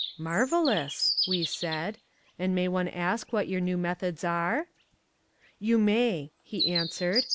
"Marvellous," we said; "and may one ask what your new methods are?" "You may," he answered.